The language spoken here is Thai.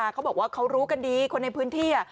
เขาบอกว่าเขารู้กันดีคนในพื้นที่